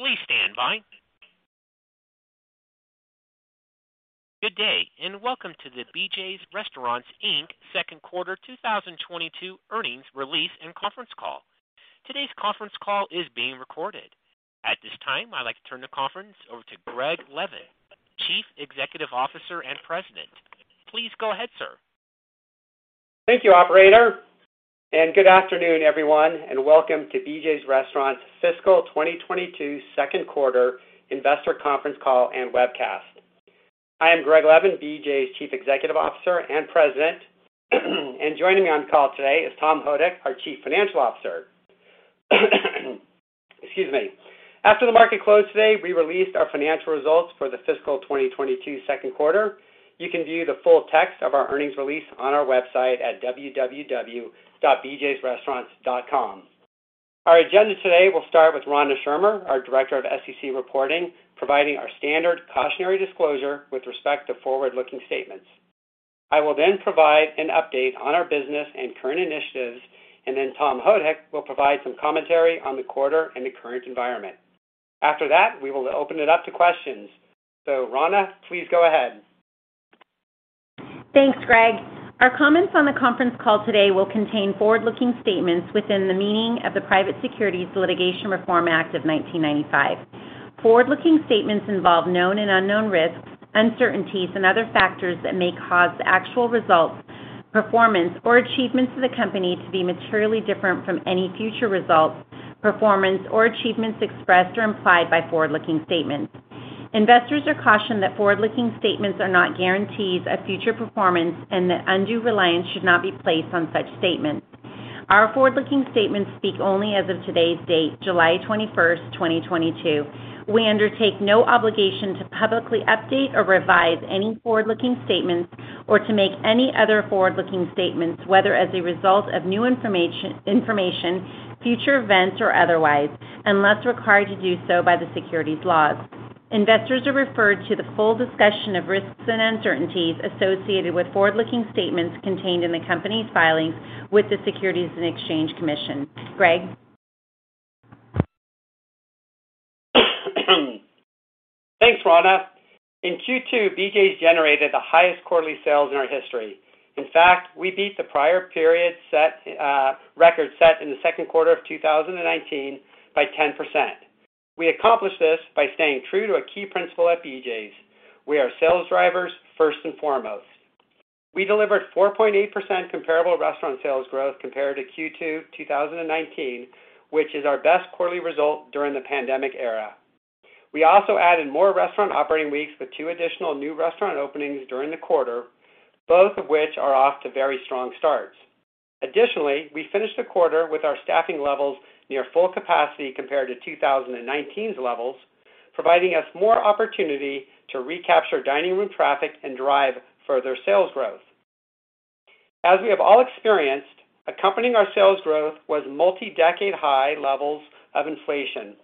Please stand by. Good day, and welcome to the BJ's Restaurants, Inc. second quarter 2022 earnings release and conference call. Today's conference call is being recorded. At this time, I'd like to turn the conference over to Greg Levin, Chief Executive Officer and President. Please go ahead, sir. Thank you, operator, and good afternoon, everyone, and welcome to BJ's Restaurants' fiscal 2022 second quarter investor conference call and webcast. I am Greg Levin, BJ's Chief Executive Officer and President. Joining me on call today is Tom Houdek, our Chief Financial Officer. Excuse me. After the market closed today, we released our financial results for the fiscal 2022 second quarter. You can view the full text of our earnings release on our website at www.bjsrestaurants.com. Our agenda today will start with Rana Schirmer, our Director of SEC Reporting, providing our standard cautionary disclosure with respect to forward-looking statements. I will then provide an update on our business and current initiatives, and then Tom Houdek will provide some commentary on the quarter and the current environment. After that, we will open it up to questions. Rana, please go ahead. Thanks, Greg. Our comments on the conference call today will contain forward-looking statements within the meaning of the Private Securities Litigation Reform Act of 1995. Forward-looking statements involve known and unknown risks, uncertainties, and other factors that may cause the actual results, performance, or achievements of the company to be materially different from any future results, performance, or achievements expressed or implied by forward-looking statements. Investors are cautioned that forward-looking statements are not guarantees of future performance and that undue reliance should not be placed on such statements. Our forward-looking statements speak only as of today's date, July 21st, 2022. We undertake no obligation to publicly update or revise any forward-looking statements or to make any other forward-looking statements, whether as a result of new information, future events, or otherwise, unless required to do so by the securities laws. Investors are referred to the full discussion of risks and uncertainties associated with forward-looking statements contained in the company's filings with the Securities and Exchange Commission. Greg? Thanks, Rana. In Q2, BJ's generated the highest quarterly sales in our history. In fact, we beat the prior period-set record set in the second quarter of 2019 by 10%. We accomplished this by staying true to a key principle at BJ's. We are sales drivers first and foremost. We delivered 4.8% comparable restaurant sales growth compared to Q2 2019, which is our best quarterly result during the pandemic era. We also added more restaurant operating weeks with two additional new restaurant openings during the quarter, both of which are off to very strong starts. Additionally, we finished the quarter with our staffing levels near full capacity compared to 2019's levels, providing us more opportunity to recapture dining room traffic and drive further sales growth. As we have all experienced, accompanying our sales growth was multi-decade high levels of inflation.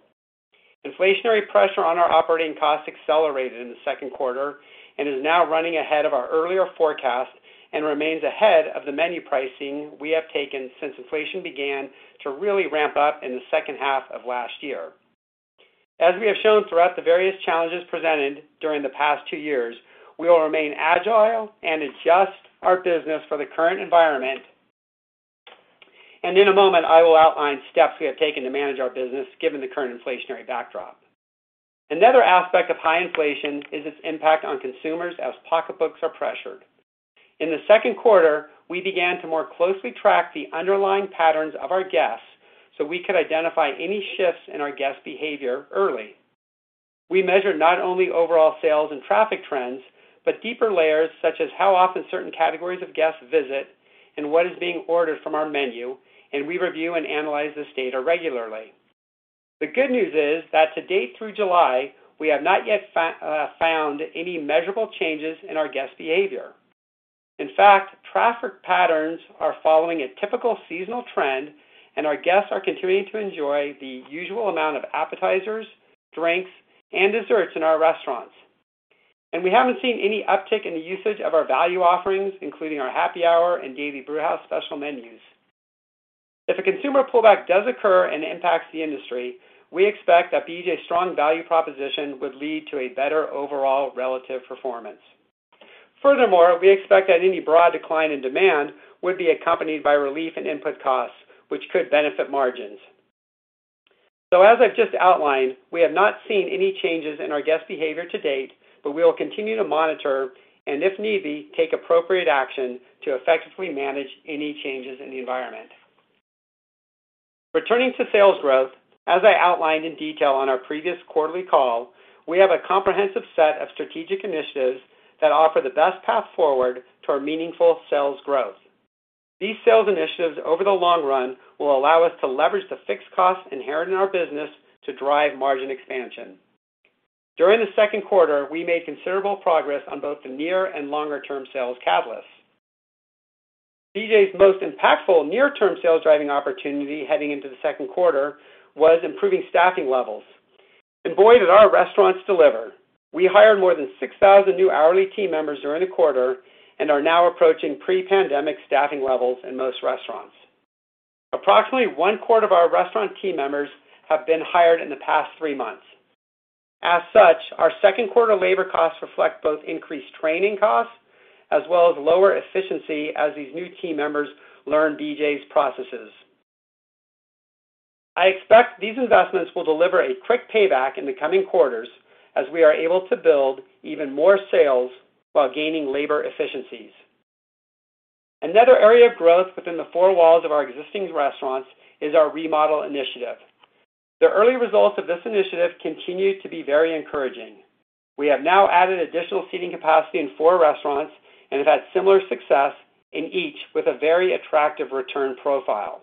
Inflationary pressure on our operating costs accelerated in the second quarter and is now running ahead of our earlier forecast and remains ahead of the menu pricing we have taken since inflation began to really ramp up in the second half of last year. As we have shown throughout the various challenges presented during the past two years, we will remain agile and adjust our business for the current environment. In a moment, I will outline steps we have taken to manage our business given the current inflationary backdrop. Another aspect of high inflation is its impact on consumers as pocketbooks are pressured. In the second quarter, we began to more closely track the underlying patterns of our guests so we could identify any shifts in our guest behavior early. We measured not only overall sales and traffic trends, but deeper layers such as how often certain categories of guests visit and what is being ordered from our menu, and we review and analyze this data regularly. The good news is that to date through July, we have not yet found any measurable changes in our guest behavior. In fact, traffic patterns are following a typical seasonal trend, and our guests are continuing to enjoy the usual amount of appetizers, drinks, and desserts in our restaurants. We haven't seen any uptick in the usage of our value offerings, including our Happy Hour and Daily Brewhouse Special menus. If a consumer pullback does occur and impacts the industry, we expect that BJ's strong value proposition would lead to a better overall relative performance. Furthermore, we expect that any broad decline in demand would be accompanied by relief in input costs, which could benefit margins. As I've just outlined, we have not seen any changes in our guest behavior to date, but we will continue to monitor and, if need be, take appropriate action to effectively manage any changes in the environment. Returning to sales growth, as I outlined in detail on our previous quarterly call, we have a comprehensive set of strategic initiatives that offer the best path forward to our meaningful sales growth. These sales initiatives over the long run will allow us to leverage the fixed costs inherent in our business to drive margin expansion. During the second quarter, we made considerable progress on both the near and longer-term sales catalysts. BJ's most impactful near-term sales-driving opportunity heading into the second quarter was improving staffing levels. Boy, did our restaurants deliver. We hired more than 6,000 new hourly team members during the quarter and are now approaching pre-pandemic staffing levels in most restaurants. Approximately one quarter of our restaurant team members have been hired in the past three months. As such, our second quarter labor costs reflect both increased training costs as well as lower efficiency as these new team members learn BJ's processes. I expect these investments will deliver a quick payback in the coming quarters as we are able to build even more sales while gaining labor efficiencies. Another area of growth within the four walls of our existing restaurants is our remodel initiative. The early results of this initiative continue to be very encouraging. We have now added additional seating capacity in four restaurants and have had similar success in each with a very attractive return profile.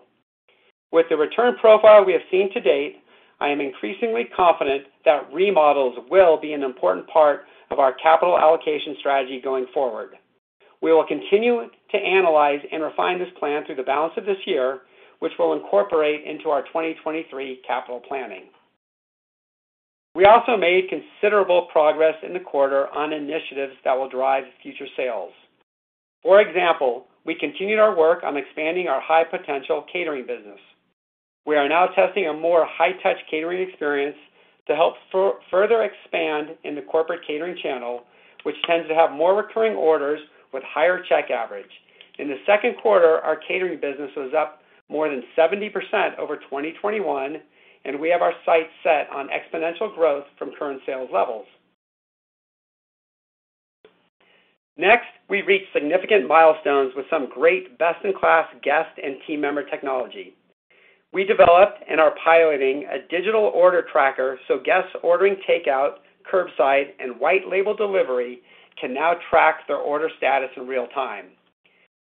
With the return profile we have seen to date, I am increasingly confident that remodels will be an important part of our capital allocation strategy going forward. We will continue to analyze and refine this plan through the balance of this year, which we'll incorporate into our 2023 capital planning. We also made considerable progress in the quarter on initiatives that will drive future sales. For example, we continued our work on expanding our high potential catering business. We are now testing a more high-touch catering experience to help further expand in the corporate catering channel, which tends to have more recurring orders with higher check average. In the second quarter, our catering business was up more than 70% over 2021, and we have our sights set on exponential growth from current sales levels. Next, we reached significant milestones with some great best-in-class guest and team member technology. We developed and are piloting a digital order tracker so guests ordering takeout, curbside, and white-label delivery can now track their order status in real time.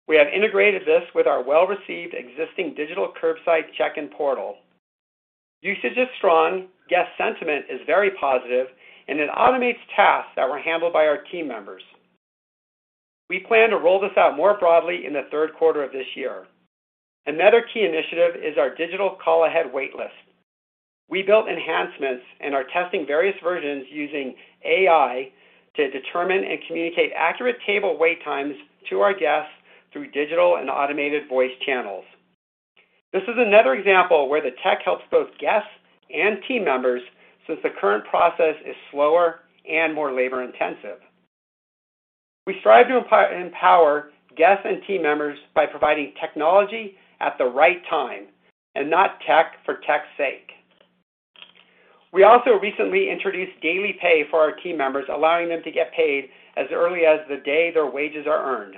We have integrated this with our well-received existing digital curbside check-in portal. Usage is strong, guest sentiment is very positive, and it automates tasks that were handled by our team members. We plan to roll this out more broadly in the third quarter of this year. Another key initiative is our digital call ahead wait list. We built enhancements and are testing various versions using AI to determine and communicate accurate table wait times to our guests through digital and automated voice channels. This is another example where the tech helps both guests and team members, since the current process is slower and more labor intensive. We strive to empower guests and team members by providing technology at the right time, and not tech for tech's sake. We also recently introduced daily pay for our team members, allowing them to get paid as early as the day their wages are earned.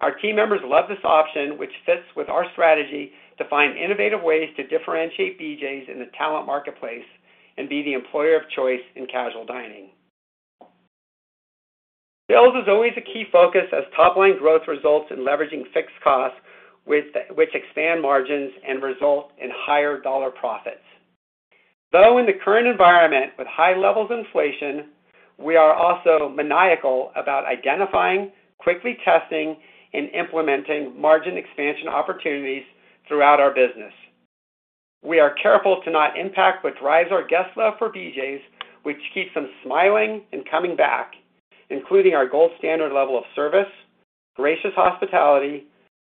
Our team members love this option, which fits with our strategy to find innovative ways to differentiate BJ's in the talent marketplace and be the employer of choice in casual dining. Sales is always a key focus as top-line growth results in leveraging fixed costs which expand margins and result in higher dollar profits. Though in the current environment with high levels of inflation, we are also maniacal about identifying, quickly testing, and implementing margin expansion opportunities throughout our business. We are careful to not impact what drives our guest love for BJ's, which keeps them smiling and coming back, including our gold standard level of service, gracious hospitality,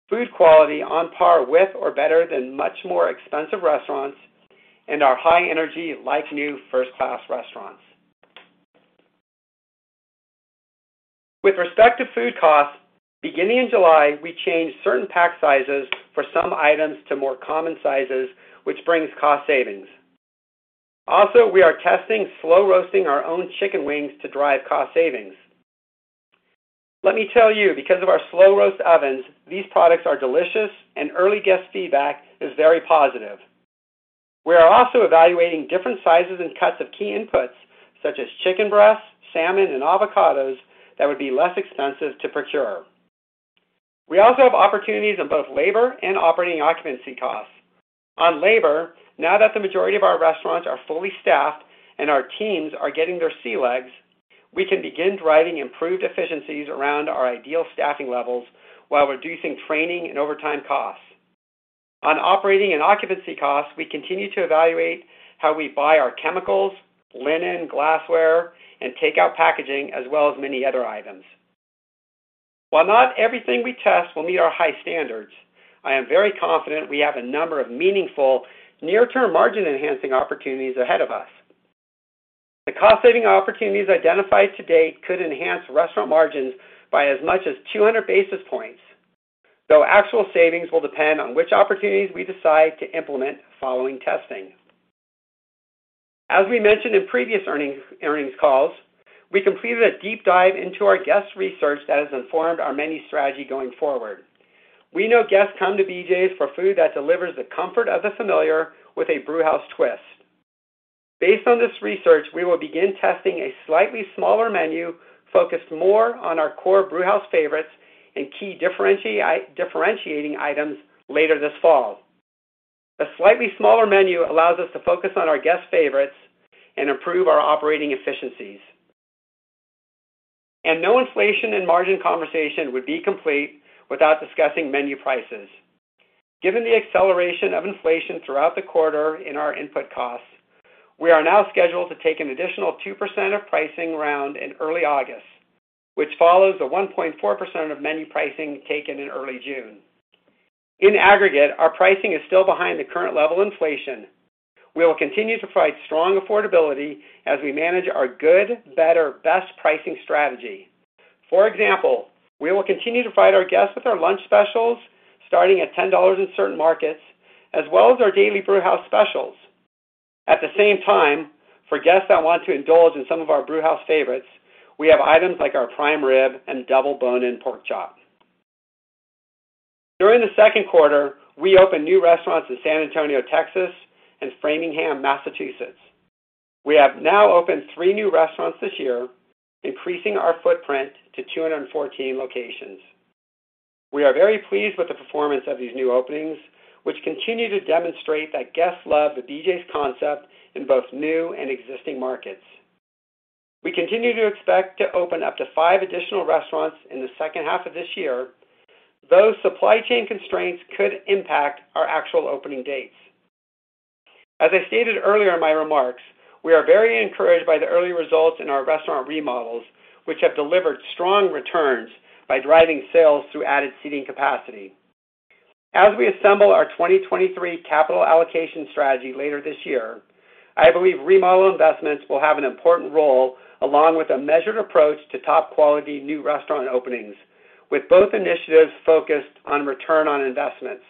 food quality on par with or better than much more expensive restaurants, and our high energy, like new first class restaurants. With respect to food costs, beginning in July, we changed certain pack sizes for some items to more common sizes, which brings cost savings. Also, we are testing slow roasting our own chicken wings to drive cost savings. Let me tell you, because of our slow roast ovens, these products are delicious and early guest feedback is very positive. We are also evaluating different sizes and cuts of key inputs such as chicken breasts, salmon, and avocados that would be less expensive to procure. We also have opportunities in both labor and operating occupancy costs. On labor, now that the majority of our restaurants are fully staffed and our teams are getting their sea legs, we can begin driving improved efficiencies around our ideal staffing levels while reducing training and overtime costs. On operating and occupancy costs, we continue to evaluate how we buy our chemicals, linen, glassware, and takeout packaging, as well as many other items. While not everything we test will meet our high standards, I am very confident we have a number of meaningful near term margin enhancing opportunities ahead of us. The cost saving opportunities identified to date could enhance restaurant margins by as much as 200 basis points, though actual savings will depend on which opportunities we decide to implement following testing. As we mentioned in previous earnings calls, we completed a deep dive into our guest research that has informed our menu strategy going forward. We know guests come to BJ's for food that delivers the comfort of the familiar with a brewhouse twist. Based on this research, we will begin testing a slightly smaller menu focused more on our core brewhouse favorites and key differentiating items later this fall. A slightly smaller menu allows us to focus on our guests favorites and improve our operating efficiencies. No inflation and margin conversation would be complete without discussing menu prices. Given the acceleration of inflation throughout the quarter in our input costs, we are now scheduled to take an additional 2% pricing round in early August, which follows a 1.4% menu pricing taken in early June. In aggregate, our pricing is still behind the current level of inflation. We will continue to provide strong affordability as we manage our good better, best pricing strategy. For example, we will continue to provide our guests with our lunch specials, starting at $10 in certain markets, as well as our Daily Brewhouse Specials. At the same time, for guests that want to indulge in some of our brewhouse favorites, we have items like our prime rib and double bone-in pork chop. During the second quarter, we opened new restaurants in San Antonio, Texas, and Framingham, Massachusetts. We have now opened three new restaurants this year, increasing our footprint to 214 locations. We are very pleased with the performance of these new openings, which continue to demonstrate that guests love the BJ's concept in both new and existing markets. We continue to expect to open up to five additional restaurants in the second half of this year, though supply chain constraints could impact our actual opening dates. As I stated earlier in my remarks, we are very encouraged by the early results in our restaurant remodels, which have delivered strong returns by driving sales through added seating capacity. As we assemble our 2023 capital allocation strategy later this year, I believe remodel investments will have an important role along with a measured approach to top quality new restaurant openings, with both initiatives focused on return on investments.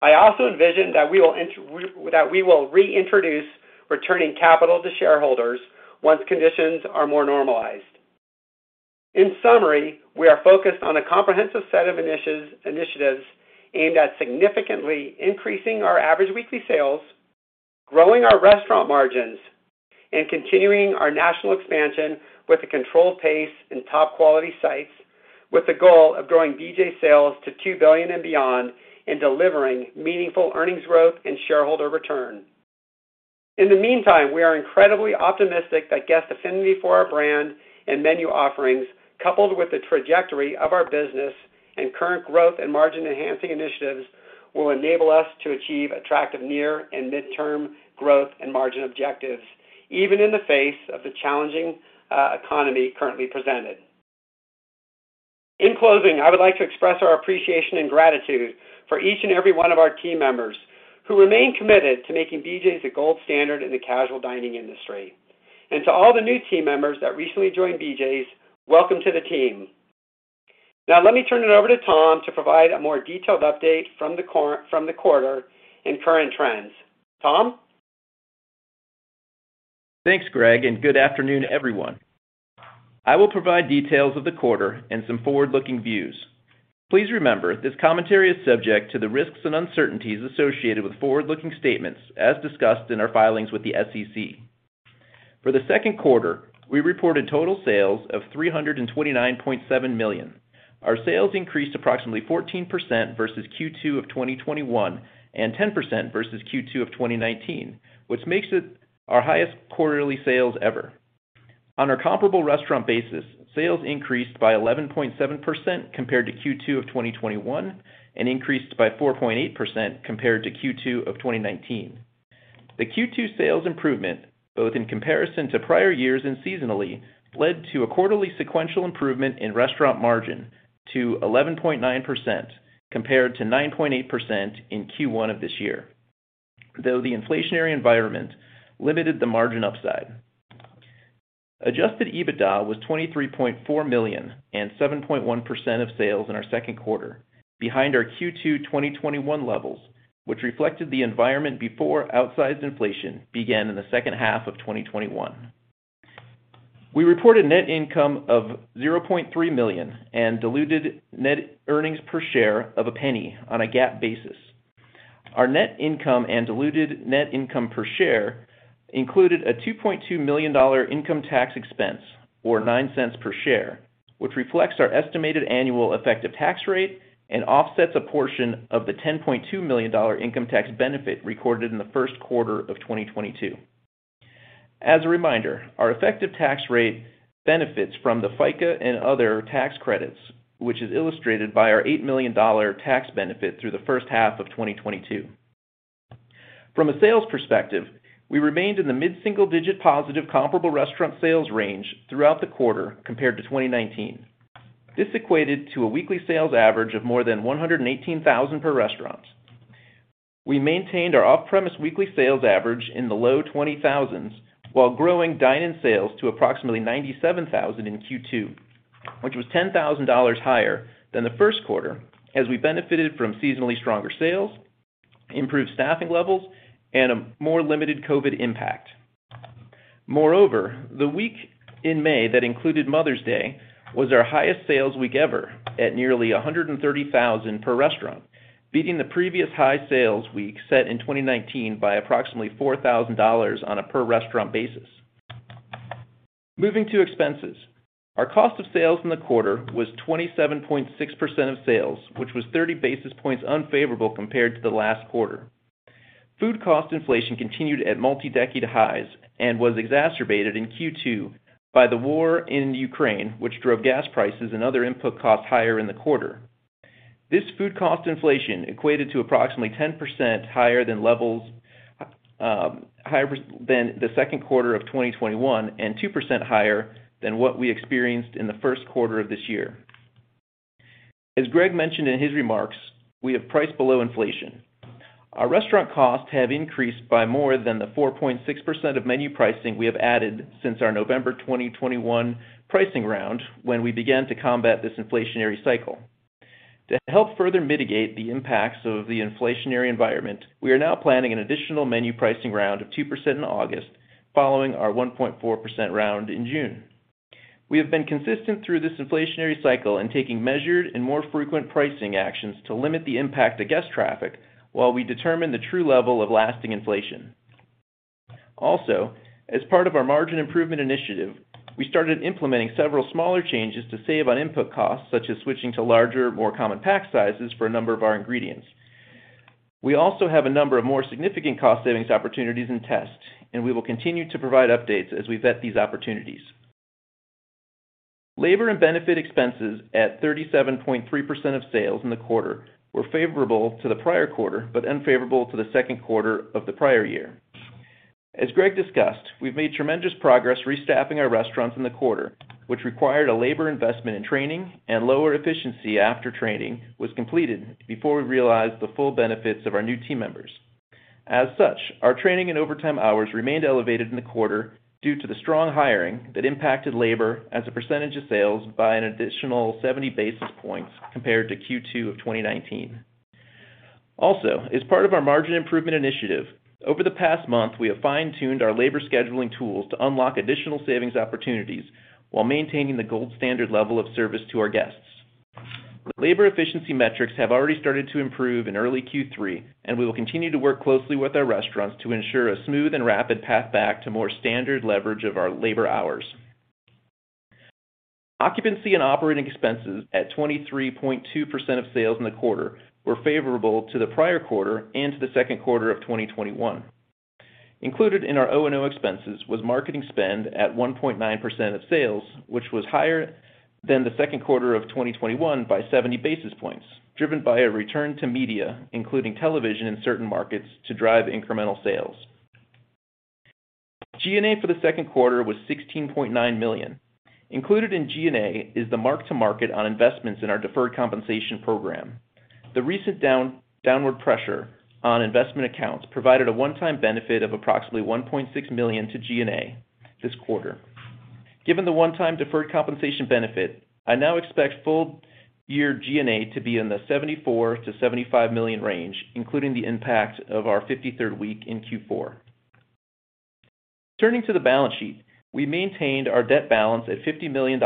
I also envision that we will reintroduce returning capital to shareholders once conditions are more normalized. In summary, we are focused on a comprehensive set of initiatives aimed at significantly increasing our average weekly sales, growing our restaurant margins, and continuing our national expansion with a controlled pace and top quality sites, with the goal of growing BJ's sales to $2 billion and beyond in delivering meaningful earnings growth and shareholder returns. In the meantime, we are incredibly optimistic that guest affinity for our brand and menu offerings, coupled with the trajectory of our business and current growth and margin enhancing initiatives, will enable us to achieve attractive near and mid-term growth and margin objectives, even in the face of the challenging economy currently presented. In closing, I would like to express our appreciation and gratitude for each and every one of our team members who remain committed to making BJ's the gold standard in the casual dining industry. To all the new team members that recently joined BJ's, welcome to the team. Now let me turn it over to Tom to provide a more detailed update from the quarter and current trends. Tom? Thanks, Greg, and good afternoon, everyone. I will provide details of the quarter and some forward-looking views. Please remember, this commentary is subject to the risks and uncertainties associated with forward-looking statements as discussed in our filings with the SEC. For the second quarter, we reported total sales of $329.7 million. Our sales increased approximately 14% versus Q2 of 2021, and 10% versus Q2 of 2019, which makes it our highest quarterly sales ever. On a comparable restaurant basis, sales increased by 11.7% compared to Q2 of 2021, and increased by 4.8% compared to Q2 of 2019. The Q2 sales improvement, both in comparison to prior years and seasonally, led to a quarterly sequential improvement in restaurant margin to 11.9% compared to 9.8% in Q1 of this year, though the inflationary environment limited the margin upside. Adjusted EBITDA was $23.4 million and 7.1% of sales in our second quarter, behind our Q2 2021 levels, which reflected the environment before outsized inflation began in the second half of 2021. We reported net income of $0.3 million and diluted net earnings per share of $0.01 on a GAAP basis. Our net income and diluted net income per share included a $2.2 million income tax expense or $0.09 per share, which reflects our estimated annual effective tax rate and offsets a portion of the $10.2 million income tax benefit recorded in the first quarter of 2022. As a reminder, our effective tax rate benefits from the FICA and other tax credits, which is illustrated by our $8 million tax benefit through the first half of 2022. From a sales perspective, we remained in the mid-single-digit positive comparable restaurant sales range throughout the quarter compared to 2019. This equated to a weekly sales average of more than 118,000 per restaurant. We maintained our off-premise weekly sales average in the low $20,000s while growing dine-in sales to approximately $97,000 in Q2, which was $10,000 higher than the first quarter as we benefited from seasonally stronger sales, improved staffing levels, and a more limited COVID impact. Moreover, the week in May that included Mother's Day was our highest sales week ever at nearly $130,000 per restaurant, beating the previous high sales week set in 2019 by approximately $4,000 on a per-restaurant basis. Moving to expenses. Our cost of sales in the quarter was 27.6% of sales, which was 30 basis points unfavorable compared to the last quarter. Food cost inflation continued at multi-decade highs and was exacerbated in Q2 by the war in Ukraine, which drove gas prices and other input costs higher in the quarter. This food cost inflation equated to approximately 10% higher than levels, higher than the second quarter of 2021, and 2% higher than what we experienced in the first quarter of this year. As Greg mentioned in his remarks, we have priced below inflation. Our restaurant costs have increased by more than the 4.6% of menu pricing we have added since our November 2021 pricing round when we began to combat this inflationary cycle. To help further mitigate the impacts of the inflationary environment, we are now planning an additional menu pricing round of 2% in August following our 1.4% round in June. We have been consistent through this inflationary cycle in taking measured and more frequent pricing actions to limit the impact of guest traffic while we determine the true level of lasting inflation. Also, as part of our margin improvement initiative, we started implementing several smaller changes to save on input costs, such as switching to larger, more common pack sizes for a number of our ingredients. We also have a number of more significant cost savings opportunities in test, and we will continue to provide updates as we vet these opportunities. Labor and benefit expenses at 37.3% of sales in the quarter were favorable to the prior quarter, but unfavorable to the second quarter of the prior year. As Greg discussed, we've made tremendous progress restaffing our restaurants in the quarter, which required a labor investment in training and lower efficiency after training was completed before we realized the full benefits of our new team members. As such, our training and overtime hours remained elevated in the quarter due to the strong hiring that impacted labor as a percentage of sales by an additional 70 basis points compared to Q2 of 2019. Also, as part of our margin improvement initiative, over the past month, we have fine-tuned our labor scheduling tools to unlock additional savings opportunities while maintaining the gold standard level of service to our guests. Labor efficiency metrics have already started to improve in early Q3, and we will continue to work closely with our restaurants to ensure a smooth and rapid path back to more standard leverage of our labor hours. Occupancy and operating expenses at 23.2% of sales in the quarter were favorable to the prior quarter and to the second quarter of 2021. Included in our O&O expenses was marketing spend at 1.9% of sales, which was higher than the second quarter of 2021 by 70 basis points, driven by a return to media, including television in certain markets, to drive incremental sales. G&A for the second quarter was $16.9 million. Included in G&A is the mark-to-market on investments in our deferred compensation program. The recent downward pressure on investment accounts provided a one-time benefit of approximately $1.6 million to G&A this quarter. Given the one-time deferred compensation benefit, I now expect full year G&A to be in the $74 million-$75 million range, including the impact of our 53rd week in Q4. Turning to the balance sheet, we maintained our debt balance at $50 million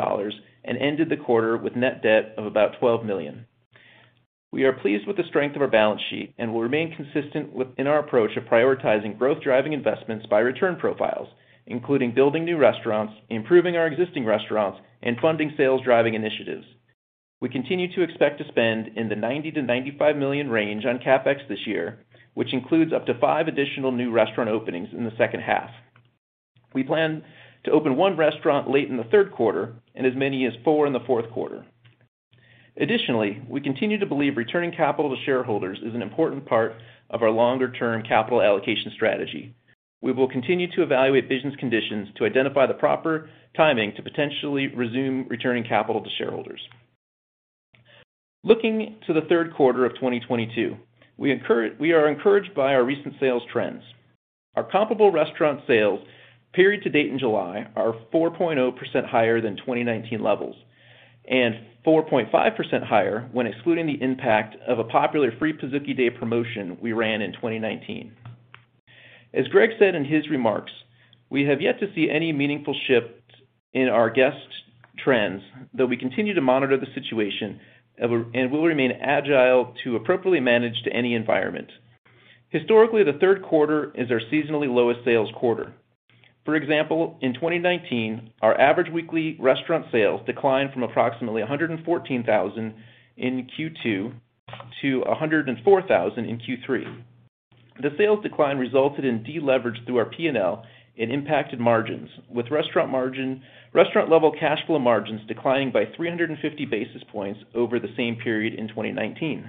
and ended the quarter with net debt of about $12 million. We are pleased with the strength of our balance sheet and will remain consistent in our approach of prioritizing growth-driving investments by return profiles, including building new restaurants, improving our existing restaurants, and funding sales-driving initiatives. We continue to expect to spend in the $90 million-$95 million range on CapEx this year, which includes up to five additional new restaurant openings in the second half. We plan to open one restaurant late in the third quarter and as many as four in the fourth quarter. Additionally, we continue to believe returning capital to shareholders is an important part of our longer-term capital allocation strategy. We will continue to evaluate business conditions to identify the proper timing to potentially resume returning capital to shareholders. Looking to the third quarter of 2022, we are encouraged by our recent sales trends. Our comparable restaurant sales period to date in July are 4.0% higher than 2019 levels and 4.5% higher when excluding the impact of a popular free Pizookie Day promotion we ran in 2019. As Greg said in his remarks, we have yet to see any meaningful shift in our guest trends, though we continue to monitor the situation and will remain agile to appropriately manage to any environment. Historically, the third quarter is our seasonally lowest sales quarter. For example, in 2019, our average weekly restaurant sales declined from approximately $114,000 in Q2 to $104,000 in Q3. The sales decline resulted in deleverage through our P&L and impacted margins, with restaurant-level cash flow margins declining by 350 basis points over the same period in 2019.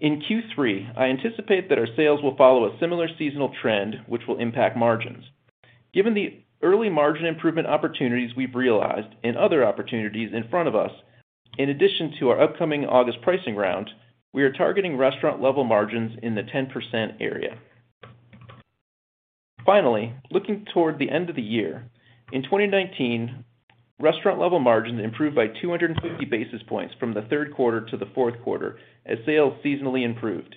In Q3, I anticipate that our sales will follow a similar seasonal trend, which will impact margins. Given the early margin improvement opportunities we've realized and other opportunities in front of us, in addition to our upcoming August pricing round, we are targeting restaurant-level margins in the 10% area. Finally, looking toward the end of the year, in 2019, restaurant-level margins improved by 250 basis points from the third quarter to the fourth quarter as sales seasonally improved.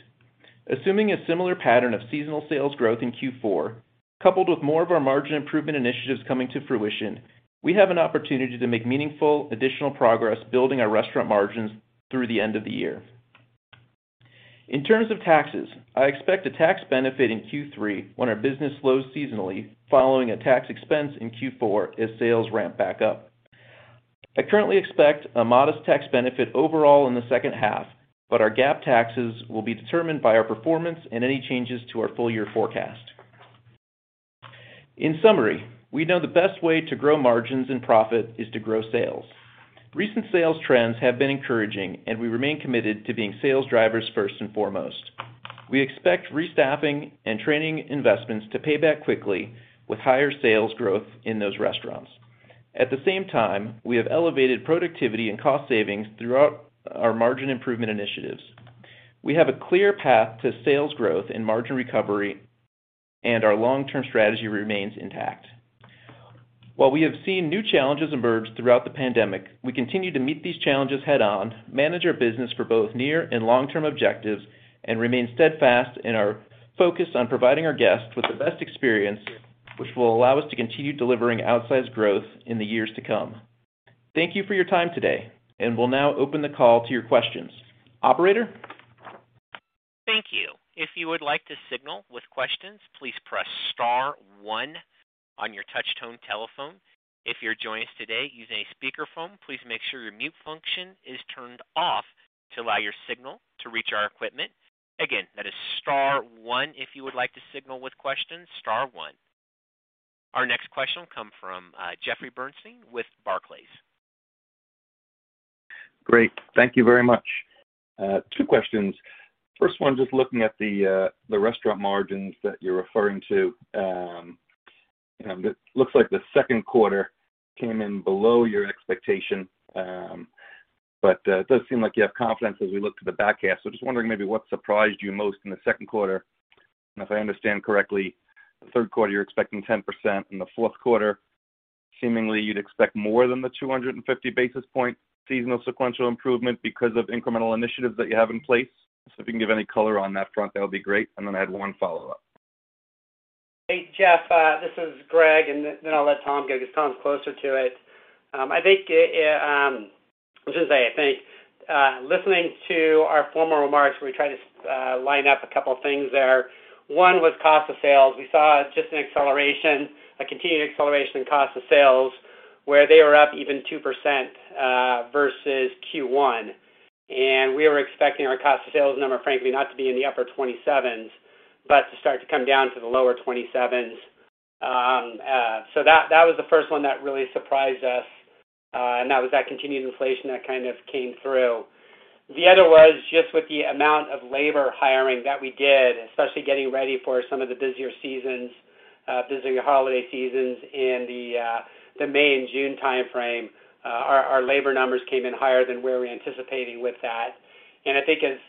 Assuming a similar pattern of seasonal sales growth in Q4, coupled with more of our margin improvement initiatives coming to fruition, we have an opportunity to make meaningful additional progress building our restaurant margins through the end of the year. In terms of taxes, I expect a tax benefit in Q3 when our business slows seasonally following a tax expense in Q4 as sales ramp back up. I currently expect a modest tax benefit overall in the second half, but our GAAP taxes will be determined by our performance and any changes to our full year forecast. In summary, we know the best way to grow margins and profit is to grow sales. Recent sales trends have been encouraging, and we remain committed to being sales drivers first and foremost. We expect restaffing and training investments to pay back quickly with higher sales growth in those restaurants. At the same time, we have elevated productivity and cost savings throughout our margin improvement initiatives. We have a clear path to sales growth and margin recovery, and our long-term strategy remains intact. While we have seen new challenges emerge throughout the pandemic, we continue to meet these challenges head on, manage our business for both near and long-term objectives, and remain steadfast in our focus on providing our guests with the best experience, which will allow us to continue delivering outsized growth in the years to come. Thank you for your time today, and we'll now open the call to your questions. Operator? Thank you. If you would like to signal with questions, please press star one on your touchtone telephone. If you're joining us today using a speakerphone, please make sure your mute function is turned off to allow your signal to reach our equipment. Again, that is star one if you would like to signal with questions, star one. Our next question will come from Jeffrey Bernstein with Barclays. Great. Thank you very much. Two questions. First one, just looking at the restaurant margins that you're referring to, you know, it looks like the second quarter came in below your expectation, but it does seem like you have confidence as we look to the back half. Just wondering maybe what surprised you most in the second quarter, and if I understand correctly, the third quarter, you're expecting 10%, in the fourth quarter, seemingly you'd expect more than the 250 basis point seasonal sequential improvement because of incremental initiatives that you have in place. If you can give any color on that front, that would be great. I had one follow-up. Hey, Jeff. This is Greg, and then I'll let Tom go because Tom's closer to it. I think just listening to our forward remarks, we try to line up a couple of things there. One was cost of sales. We saw just an acceleration, a continued acceleration in cost of sales where they were up even 2% versus Q1. We were expecting our cost of sales number, frankly, not to be in the upper 27s%, but to start to come down to the lower 27s%. That was the first one that really surprised us, and that was that continued inflation that kind of came through. The other was just with the amount of labor hiring that we did, especially getting ready for some of the busier seasons, busier holiday seasons in the May and June time frame. Our labor numbers came in higher than we were anticipating with that. I think as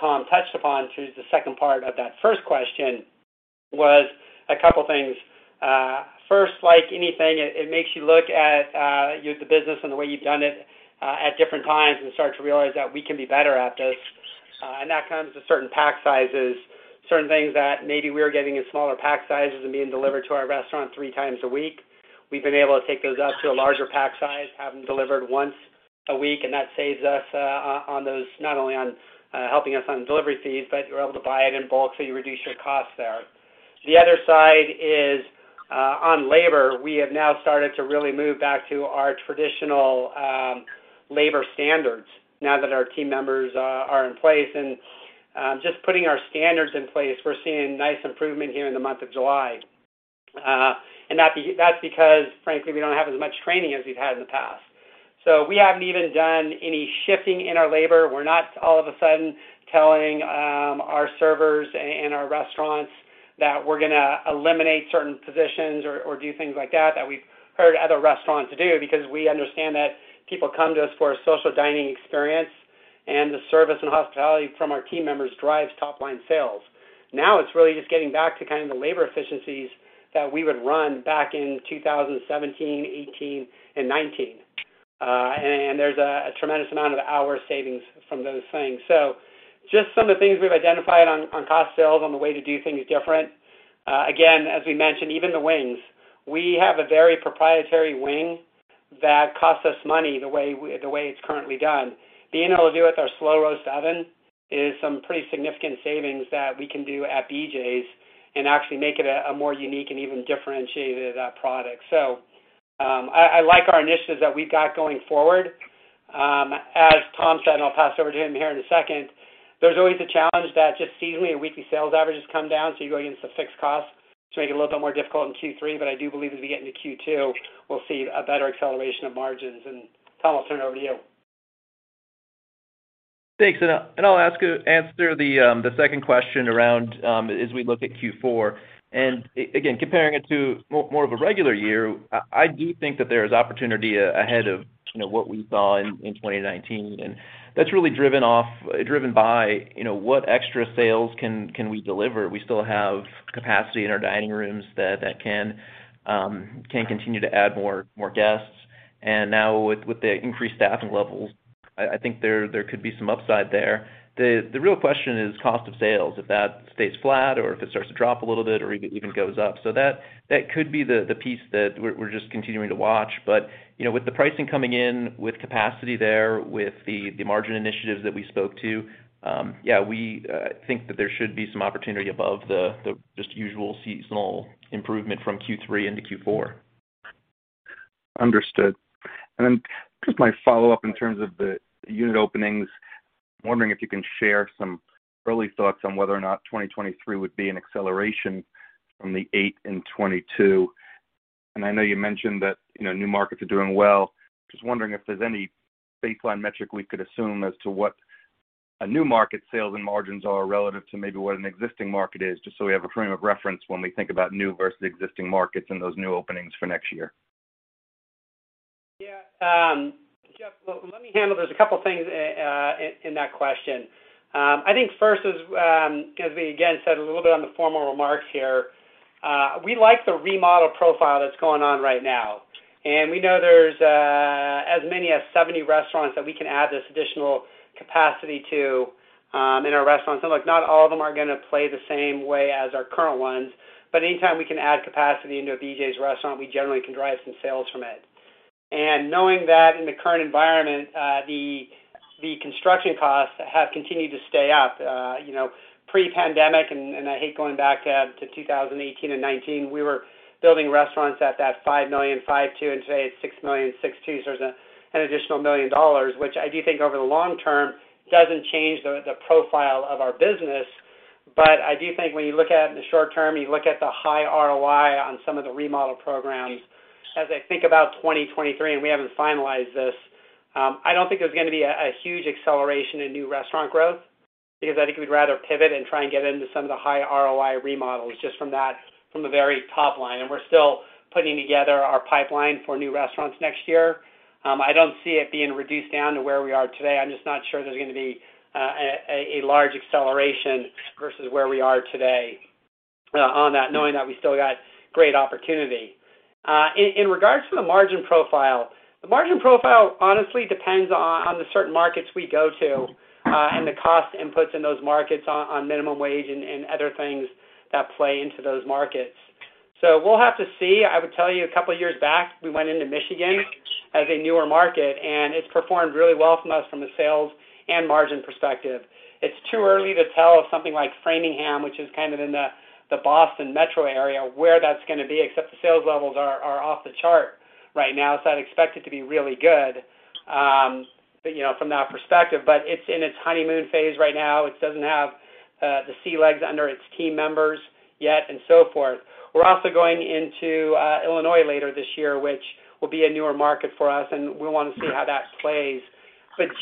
Tom touched upon, the second part of that first question was a couple of things. First, like anything, it makes you look at, you know, the business and the way you've done it, at different times and start to realize that we can be better at this. That comes with certain pack sizes, certain things that maybe we are getting in smaller pack sizes and being delivered to our restaurant three times a week. We've been able to take those up to a larger pack size, have them delivered once a week, and that saves us on those not only helping us on delivery fees, but you're able to buy it in bulk, so you reduce your costs there. The other side is on labor. We have now started to really move back to our traditional labor standards now that our team members are in place. Just putting our standards in place, we're seeing nice improvement here in the month of July. That's because, frankly, we don't have as much training as we've had in the past. We haven't even done any shifting in our labor. We're not all of a sudden telling our servers in our restaurants that we're gonna eliminate certain positions or do things like that we've heard other restaurants do because we understand that people come to us for a social dining experience, and the service and hospitality from our team members drives top-line sales. Now it's really just getting back to kind of the labor efficiencies that we would run back in 2017, 2018, and 2019. There's a tremendous amount of hours savings from those things. Just some of the things we've identified on cost of sales on the way to do things different. Again, as we mentioned, even the wings, we have a very proprietary wing that costs us money the way it's currently done. Being able to do it with our slow roast oven is some pretty significant savings that we can do at BJ's and actually make it a more unique and even differentiated product. I like our initiatives that we've got going forward. As Tom said, and I'll pass over to him here in a second, there's always a challenge that just seasonally our weekly sales averages come down, so you're going into fixed costs to make it a little bit more difficult in Q3, but I do believe as we get into Q2, we'll see a better acceleration of margins. Tom, I'll turn it over to you. Thanks. I'll answer the second question around as we look at Q4. Again, comparing it to more of a regular year, I do think that there is opportunity ahead of, you know, what we saw in 2019. That's really driven by, you know, what extra sales can we deliver. We still have capacity in our dining rooms that can continue to add more guests. Now with the increased staffing levels, I think there could be some upside there. The real question is cost of sales, if that stays flat or if it starts to drop a little bit or even goes up. That could be the piece that we're just continuing to watch. You know, with the pricing coming in, with capacity there, with the margin initiatives that we spoke to, yeah, we think that there should be some opportunity above the just usual seasonal improvement from Q3 into Q4. Understood. Just my follow-up in terms of the unit openings, wondering if you can share some early thoughts on whether or not 2023 would be an acceleration from the eight in 2022. I know you mentioned that, you know, new markets are doing well. Just wondering if there's any baseline metric we could assume as to what a new market sales and margins are relative to maybe what an existing market is, just so we have a frame of reference when we think about new versus existing markets and those new openings for next year. Yeah. Jeff, let me handle this. There's a couple things in that question. I think first is, as we again said a little bit on the formal remarks here, we like the remodel profile that's going on right now, and we know there's as many as 70 restaurants that we can add this additional capacity to in our restaurants. Look, not all of them are gonna play the same way as our current ones, but anytime we can add capacity into a BJ's restaurant, we generally can drive some sales from it. Knowing that in the current environment, the construction costs have continued to stay up. You know, pre-pandemic, and I hate going back to 2018 and 2019, we were building restaurants at that $5.2 million, and today it's $6.2 million, so there's an additional $1 million, which I do think over the long term doesn't change the profile of our business. I do think when you look at it in the short term, you look at the high ROI on some of the remodel programs. As I think about 2023, and we haven't finalized this, I don't think there's gonna be a huge acceleration in new restaurant growth because I think we'd rather pivot and try and get into some of the high ROI remodels just from that, from the very top line. We're still putting together our pipeline for new restaurants next year. I don't see it being reduced down to where we are today. I'm just not sure there's gonna be a large acceleration versus where we are today on that, knowing that we still got great opportunity. In regards to the margin profile, the margin profile honestly depends on the certain markets we go to, and the cost inputs in those markets on minimum wage and other things that play into those markets. We'll have to see. I would tell you a couple years back, we went into Michigan as a newer market, and it's performed really well for us from a sales and margin perspective. It's too early to tell if something like Framingham, which is kind of in the Boston metro area, where that's gonna be, except the sales levels are off the chart right now. I'd expect it to be really good, but you know, from that perspective. It's in its honeymoon phase right now. It doesn't have the sea legs under its team members yet and so forth. We're also going into Illinois later this year, which will be a newer market for us, and we wanna see how that plays.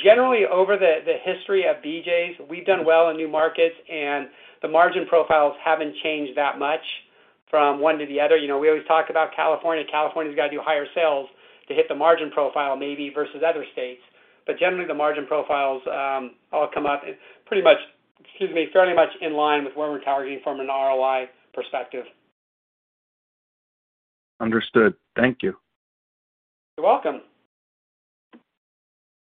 Generally, over the history of BJ's, we've done well in new markets, and the margin profiles haven't changed that much from one to the other. You know, we always talk about California. California's gotta do higher sales to hit the margin profile maybe versus other states. Generally, the margin profiles all come up pretty much, excuse me, fairly much in line with where we're targeting from an ROI perspective. Understood. Thank you. You're welcome.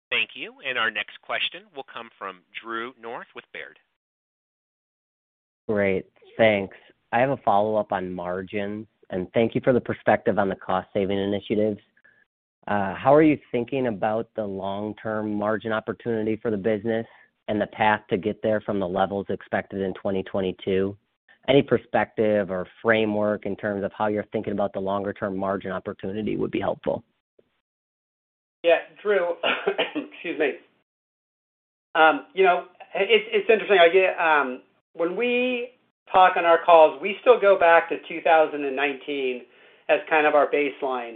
Thank you. Our next question will come from Drew North with Baird. Great. Thanks. I have a follow-up on margins, and thank you for the perspective on the cost-saving initiatives. How are you thinking about the long-term margin opportunity for the business and the path to get there from the levels expected in 2022? Any perspective or framework in terms of how you're thinking about the longer term margin opportunity would be helpful. Yeah. Drew, excuse me. You know, it's interesting. Again, when we talk on our calls, we still go back to 2019 as kind of our baseline,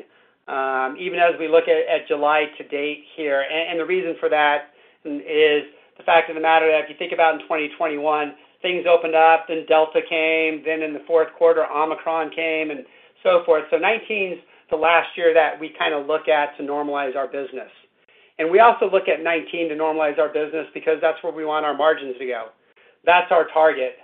even as we look at July to date here. The reason for that is the fact of the matter, if you think about in 2021, things opened up, then Delta came, then in the fourth quarter, Omicron came, and so forth. 2019's the last year that we kinda look at to normalize our business. We also look at 2019 to normalize our business because that's where we want our margins to go. That's our target.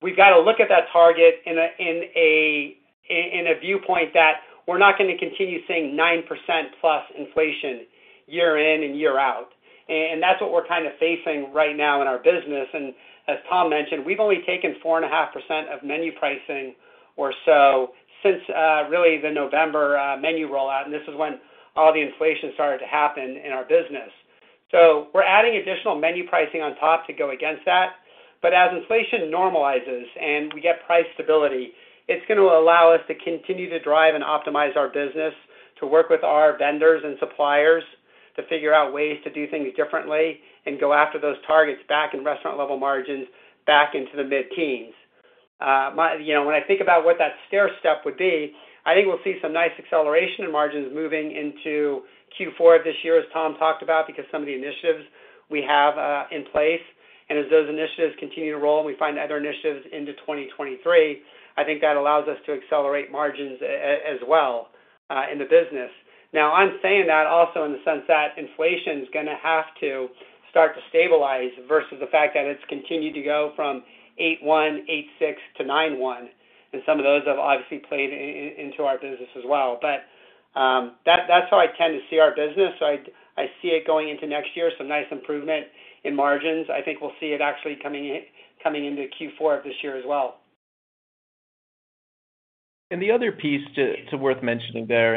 We've gotta look at that target in a viewpoint that we're not gonna continue seeing 9%+ inflation year in and year out. That's what we're kinda facing right now in our business. As Tom mentioned, we've only taken 4.5% of menu pricing or so since really the November menu rollout, and this is when all the inflation started to happen in our business. We're adding additional menu pricing on top to go against that. As inflation normalizes and we get price stability, it's gonna allow us to continue to drive and optimize our business to work with our vendors and suppliers to figure out ways to do things differently and go after those targets back in restaurant level margins back into the mid-teens. You know, when I think about what that stairstep would be, I think we'll see some nice acceleration in margins moving into Q4 of this year, as Tom talked about because some of the initiatives we have in place. As those initiatives continue to roll and we find other initiatives into 2023, I think that allows us to accelerate margins as well in the business. Now, I'm saying that also in the sense that inflation's gonna have to start to stabilize versus the fact that it's continued to go from 8.1%, 8.6%-9.1%, and some of those have obviously played into our business as well. That, that's how I tend to see our business. I see it going into next year, some nice improvement in margins. I think we'll see it actually coming into Q4 of this year as well. The other piece too worth mentioning there.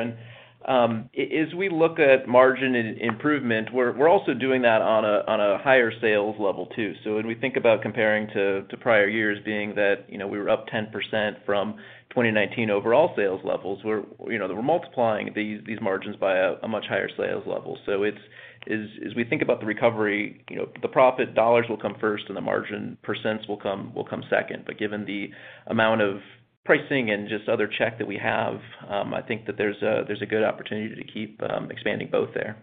As we look at margin and improvement, we're also doing that on a higher sales level too. When we think about comparing to prior years being that, you know, we were up 10% from 2019 overall sales levels, you know, we're multiplying these margins by a much higher sales level. As we think about the recovery, you know, the profit dollars will come first and the margin percents will come second. Given the amount of pricing and just other check that we have, I think that there's a good opportunity to keep expanding both there.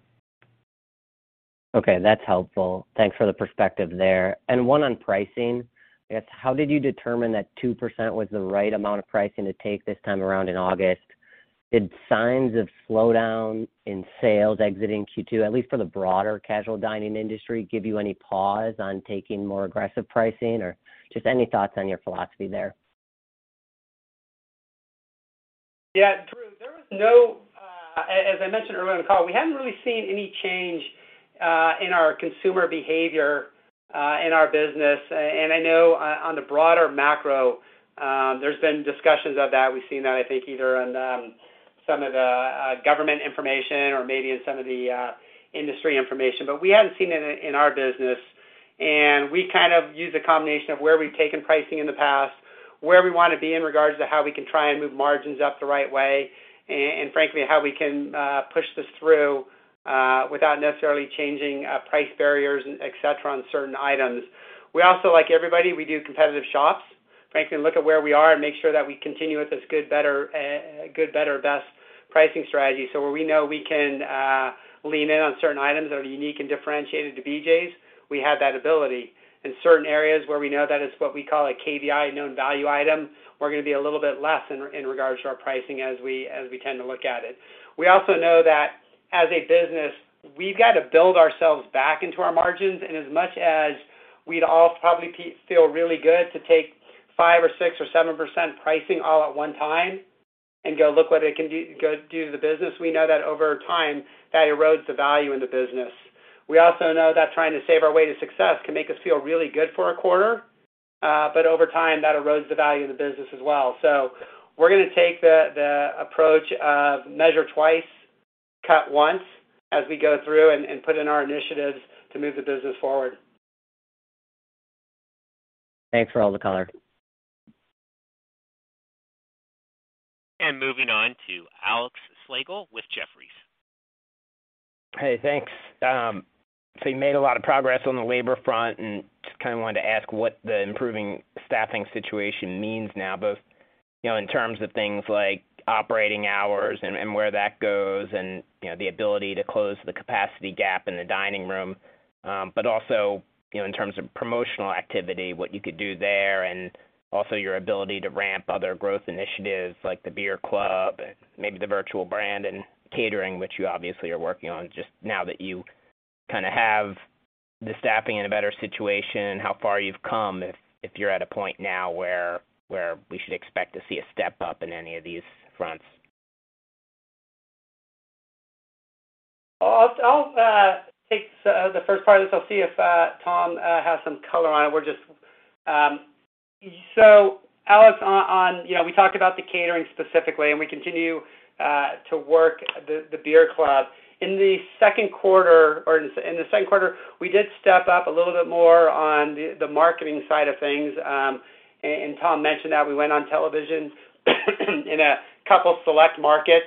Okay, that's helpful. Thanks for the perspective there. One on pricing. I guess, how did you determine that 2% was the right amount of pricing to take this time around in August? Did signs of slowdown in sales exiting Q2, at least for the broader casual dining industry, give you any pause on taking more aggressive pricing? Or just any thoughts on your philosophy there? Yeah, Drew, as I mentioned earlier in the call, we haven't really seen any change in our consumer behavior in our business. I know on the broader macro, there's been discussions of that. We've seen that, I think, either on some of the government information or maybe in some of the industry information. We haven't seen it in our business. We kind of use a combination of where we've taken pricing in the past, where we wanna be in regards to how we can try and move margins up the right way, and frankly, how we can push this through without necessarily changing price barriers, et cetera, on certain items. We also, like everybody, we do competitive shops, frankly, look at where we are and make sure that we continue with this good, better, best pricing strategy. Where we know we can lean in on certain items that are unique and differentiated to BJ's, we have that ability. In certain areas where we know that it's what we call a KVI, a known value item, we're gonna be a little bit less in regards to our pricing as we tend to look at it. We also know that as a business, we've got to build ourselves back into our margins. As much as we'd all probably feel really good to take 5% or 6% or 7% pricing all at one time and go look what it can do to the business, we know that over time, that erodes the value in the business. We also know that trying to save our way to success can make us feel really good for a quarter, but over time, that erodes the value of the business as well. We're gonna take the approach of measure twice, cut once as we go through and put in our initiatives to move the business forward. Thanks for all the color. Moving on to Alex Slagle with Jefferies. Hey, thanks. You made a lot of progress on the labor front, and just kind of wanted to ask what the improving staffing situation means now, both, you know, in terms of things like operating hours and where that goes and, you know, the ability to close the capacity gap in the dining room, but also, you know, in terms of promotional activity, what you could do there, and also your ability to ramp other growth initiatives like the beer club, maybe the virtual brand and catering, which you obviously are working on just now that you kind of have the staffing in a better situation, how far you've come if you're at a point now where we should expect to see a step up in any of these fronts. I'll take the first part of this. I'll see if Tom has some color on it. Alex, on you know, we talked about the catering specifically, and we continue to work the beer club. In the second quarter, we did step up a little bit more on the marketing side of things. And Tom mentioned that we went on television in a couple select markets,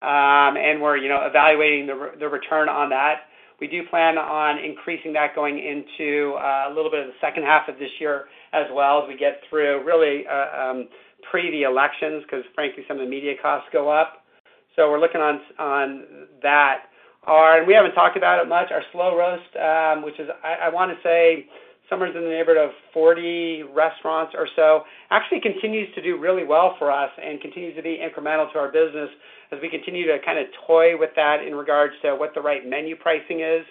and we're you know, evaluating the return on that. We do plan on increasing that going into a little bit of the second half of this year as well as we get through really prior to the elections because frankly, some of the media costs go up. We're looking into that. We haven't talked about it much. Our Slo Roast, which is, I wanna say somewhere in the neighborhood of 40 restaurants or so, actually continues to do really well for us and continues to be incremental to our business as we continue to kind of toy with that in regards to what the right menu pricing is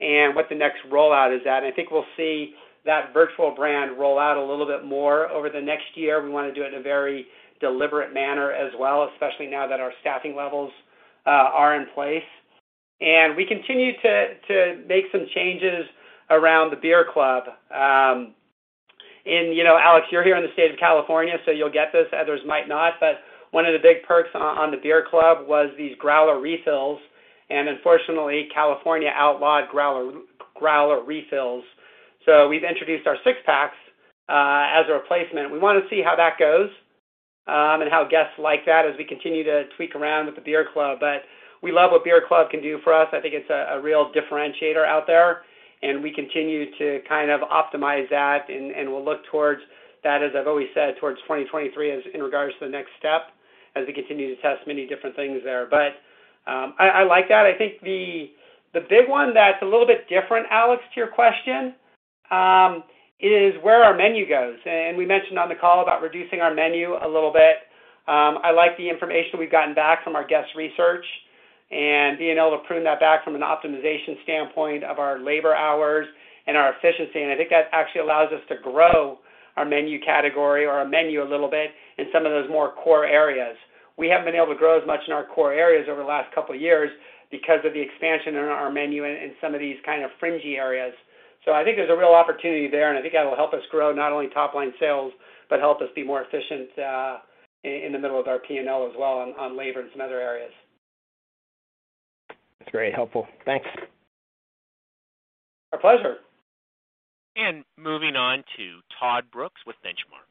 and what the next rollout is at. I think we'll see that virtual brand roll out a little bit more over the next year. We wanna do it in a very deliberate manner as well, especially now that our staffing levels are in place. We continue to make some changes around the beer club. You know, Alex, you're here in the state of California, so you'll get this, others might not. One of the big perks on the beer club was these growler refills, and unfortunately, California outlawed growler refills. We've introduced our six-packs as a replacement. We wanna see how that goes, and how guests like that as we continue to tweak around with the beer club. We love what beer club can do for us. I think it's a real differentiator out there, and we continue to kind of optimize that and we'll look towards that, as I've always said, towards 2023 as in regards to the next step as we continue to test many different things there. I like that. I think the big one that's a little bit different, Alex, to your question, is where our menu goes. We mentioned on the call about reducing our menu a little bit. I like the information we've gotten back from our guest research and being able to prune that back from an optimization standpoint of our labor hours and our efficiency. I think that actually allows us to grow our menu category or our menu a little bit in some of those more core areas. We haven't been able to grow as much in our core areas over the last couple of years because of the expansion in our menu in some of these kind of fringy areas. I think there's a real opportunity there, and I think that'll help us grow not only top line sales, but help us be more efficient in the middle of our P&L as well on labor and some other areas. That's very helpful. Thanks. Our pleasure. Moving on to Todd Brooks with Benchmark.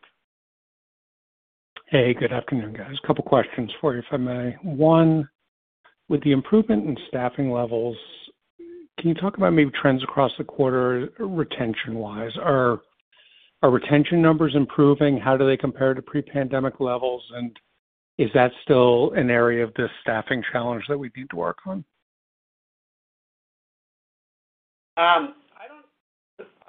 Hey, good afternoon, guys. A couple questions for you, if I may. One, with the improvement in staffing levels, can you talk about maybe trends across the quarter retention-wise? Are retention numbers improving? How do they compare to pre-pandemic levels? Is that still an area of the staffing challenge that we need to work on? I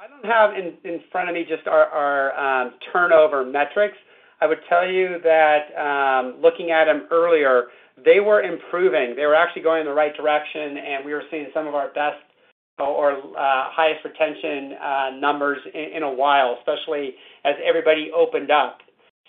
don't have in front of me just our turnover metrics. I would tell you that, looking at them earlier, they were improving. They were actually going in the right direction, and we were seeing some of our best or highest retention numbers in a while, especially as everybody opened up.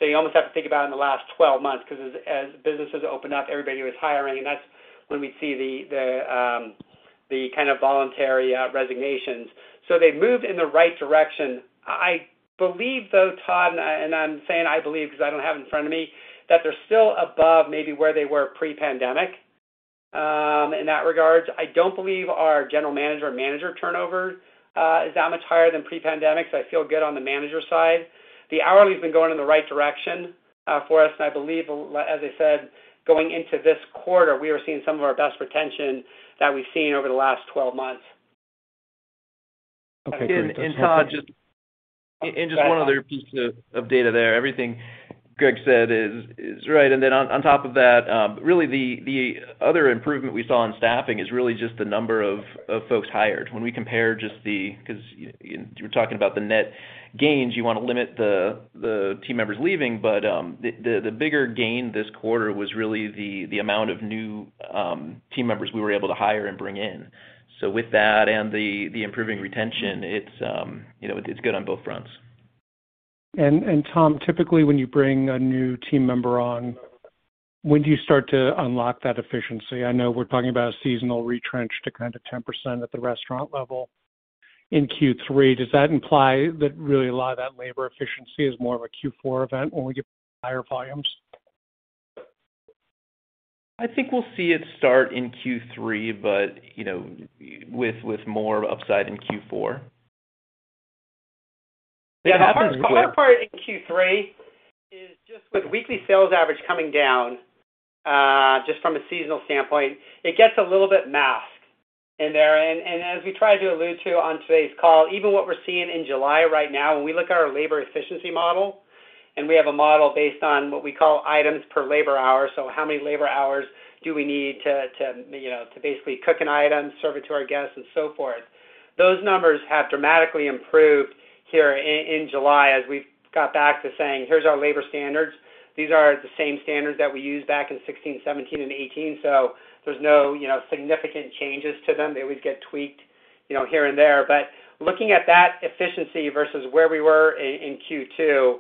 You almost have to think about in the last 12 months, 'cause as businesses opened up, everybody was hiring. That's when we see the kind of voluntary resignations. They moved in the right direction. I believe though, Todd, and I'm saying I believe because I don't have in front of me, that they're still above maybe where they were pre-pandemic, in that regard. I don't believe our general manager and manager turnover is that much higher than pre-pandemic, so I feel good on the manager side. The hourly has been going in the right direction for us, and I believe, as I said, going into this quarter, we were seeing some of our best retention that we've seen over the last 12 months. Okay, great. That's helpful. Todd, just one other piece of data there. Everything Greg said is right. On top of that, the other improvement we saw in staffing is just the number of folks hired. When we compare, 'cause you were talking about the net gains, you wanna limit the team members leaving, but the bigger gain this quarter was really the amount of new team members we were able to hire and bring in. With that and the improving retention, it's you know, it's good on both fronts. Tom, typically, when you bring a new team member on, when do you start to unlock that efficiency? I know we're talking about a seasonal return to kind of 10% at the restaurant level in Q3. Does that imply that really a lot of that labor efficiency is more of a Q4 event when we get higher volumes? I think we'll see it start in Q3 but, you know, with more upside in Q4. Yeah. The hard part in Q3 is just with weekly sales average coming down just from a seasonal standpoint. It gets a little bit masked in there. As we tried to allude to on today's call, even what we're seeing in July right now, when we look at our labor efficiency model, and we have a model based on what we call items per labor hour. So how many labor hours do we need to you know, to basically cook an item, serve it to our guests, and so forth. Those numbers have dramatically improved here in July as we got back to saying, "Here's our labor standards. These are the same standards that we used back in 2016, 2017, and 2018." There's no you know, significant changes to them. They always get tweaked, you know, here and there. Looking at that efficiency versus where we were in Q2,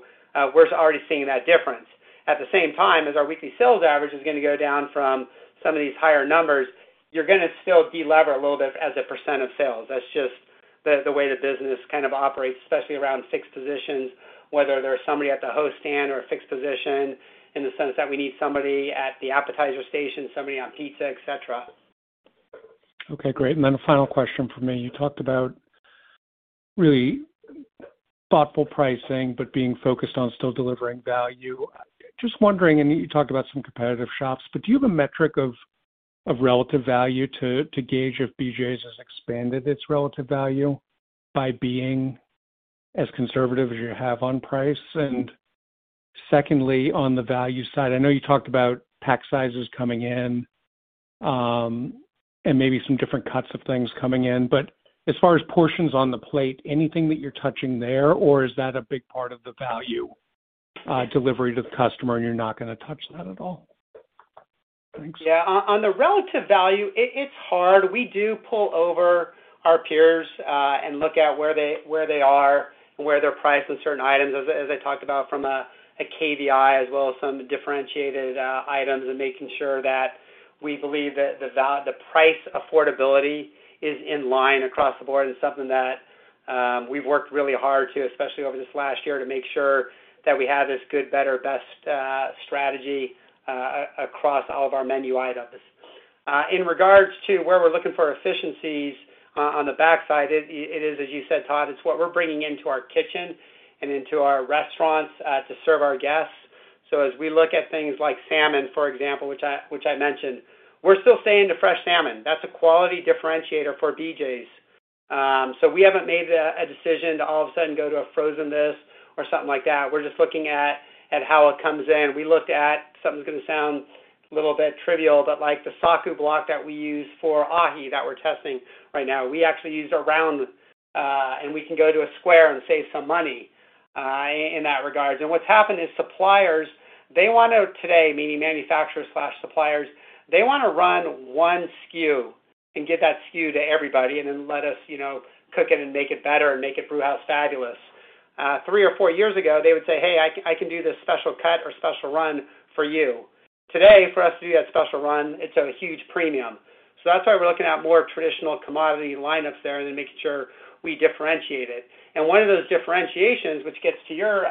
we're already seeing that difference. At the same time, as our weekly sales average is gonna go down from some of these higher numbers, you're gonna still delever a little bit as a percent of sales. That's just the way the business kind of operates, especially around fixed positions, whether there's somebody at the host stand or a fixed position in the sense that we need somebody at the appetizer station, somebody on pizza, et cetera. Okay, great. A final question from me. You talked about really thoughtful pricing, but being focused on still delivering value. Just wondering, and you talked about some competitive shops, but do you have a metric of relative value to gauge if BJ's has expanded its relative value by being as conservative as you have on price? Secondly, on the value side, I know you talked about pack sizes coming in, and maybe some different cuts of things coming in, but as far as portions on the plate, anything that you're touching there, or is that a big part of the value delivery to the customer, and you're not gonna touch that at all? Thanks. Yeah. On the relative value, it's hard. We do pull over our peers and look at where they are and where they're priced on certain items, as I talked about from a KVI, as well as some differentiated items and making sure that we believe that the price affordability is in line across the board. Something that we've worked really hard to, especially over this last year, to make sure that we have this good, better, best strategy across all of our menu items. In regards to where we're looking for efficiencies on the backside, it is as you said, Todd, it's what we're bringing into our kitchen and into our restaurants to serve our guests. As we look at things like salmon, for example, which I mentioned, we're still staying the fresh salmon. That's a quality differentiator for BJ's. We haven't made a decision to all of a sudden go to frozen or something like that. We're just looking at how it comes in. We looked at something's gonna sound a little bit trivial, but like the saku block that we use for ahi that we're testing right now. We actually used a round, and we can go to a square and save some money in that regard. What's happened is suppliers, they wanna today, meaning manufacturers/suppliers, they wanna run one SKU and give that SKU to everybody and then let us, you know, cook it and make it better and make it Brewhouse fabulous. Three or four years ago, they would say, "Hey, I can do this special cut or special run for you." Today, for us to do that special run, it's at a huge premium. That's why we're looking at more traditional commodity lineups there and then making sure we differentiate it. One of those differentiations, which gets to your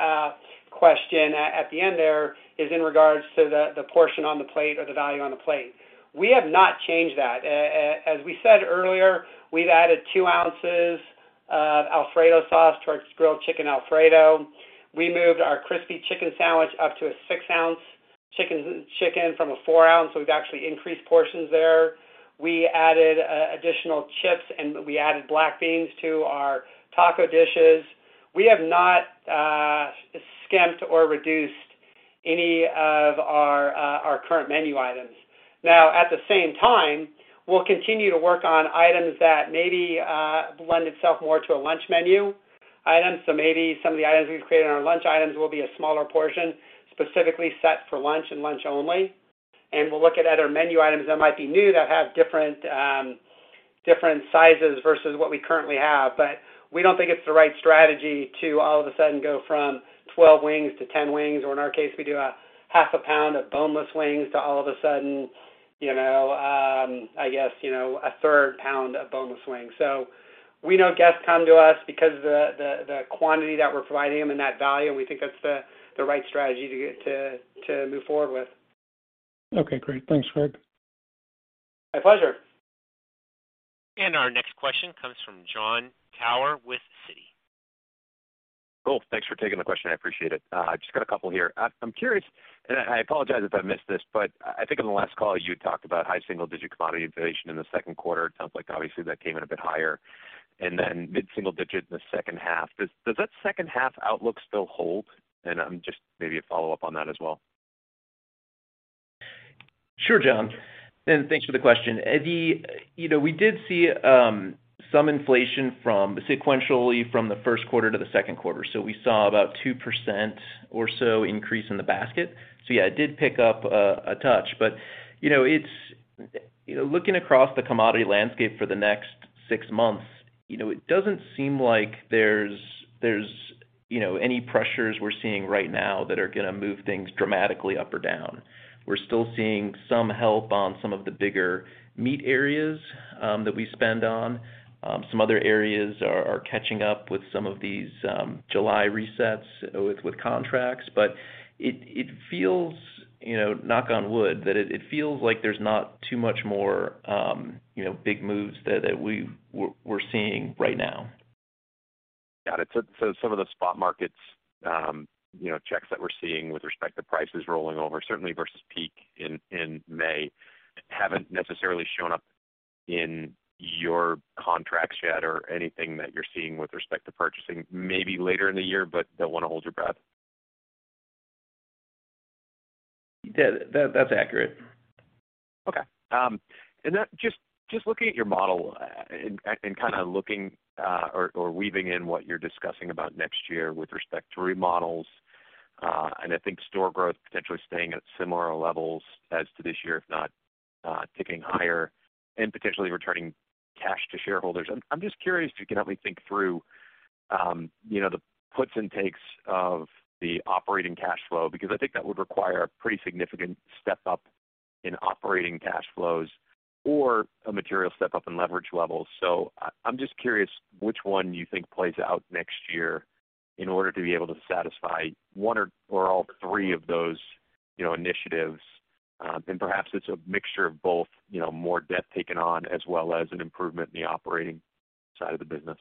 question at the end there, is in regards to the portion on the plate or the value on the plate. We have not changed that. As we said earlier, we've added two ounces of Alfredo sauce to our grilled chicken Alfredo. We moved our crispy chicken sandwich up to a six-ounce chicken from a four-ounce. We've actually increased portions there. We added additional chips, and we added black beans to our taco dishes. We have not skimped or reduced any of our current menu items. Now, at the same time, we'll continue to work on items that maybe lend itself more to a lunch menu item. Maybe some of the items we've created in our lunch items will be a smaller portion, specifically set for lunch and lunch only. We'll look at other menu items that might be new that have different sizes versus what we currently have. We don't think it's the right strategy to all of a sudden go from 12 wings to 10 wings, or in our case, we do a half a pound of boneless wings to all of a sudden, you know, I guess, you know, a third pound of boneless wings. We know guests come to us because of the quantity that we're providing them and that value, and we think that's the right strategy to move forward with. Okay, great. Thanks, Greg. My pleasure. Our next question comes from Jon Tower with Citi. Cool. Thanks for taking the question, I appreciate it. I've just got a couple here. I'm curious, and I apologize if I missed this, but I think on the last call, you talked about high single-digit commodity inflation in the second quarter. It sounds like obviously that came in a bit higher. Then mid-single digit in the second half. Does that second half outlook still hold? Just maybe a follow-up on that as well. Sure, Jon, and thanks for the question. You know, we did see some inflation sequentially from the first quarter to the second quarter. We saw about 2% or so increase in the basket. Yeah, it did pick up a touch. You know, looking across the commodity landscape for the next six months, you know, it doesn't seem like there's any pressures we're seeing right now that are gonna move things dramatically up or down. We're still seeing some help on some of the bigger meat areas that we spend on. Some other areas are catching up with some of these July resets with contracts. It feels, you know, knock on wood, that it feels like there's not too much more, you know, big moves that we're seeing right now. Got it. Some of the spot markets, you know, checks that we're seeing with respect to prices rolling over, certainly versus peak in May, haven't necessarily shown up in your contracts yet or anything that you're seeing with respect to purchasing maybe later in the year, but don't want to hold your breath. Yeah. That, that's accurate. Then just looking at your model and weaving in what you're discussing about next year with respect to remodels, and I think store growth potentially staying at similar levels as this year, if not ticking higher and potentially returning cash to shareholders. Just curious if you can help me think through, you know, the puts and takes of the operating cash flow, because I think that would require a pretty significant step up in operating cash flows or a material step up in leverage levels. Just curious which one you think plays out next year in order to be able to satisfy one or all three of those, you know, initiatives. Perhaps it's a mixture of both, you know, more debt taken on, as well as an improvement in the operating side of the business.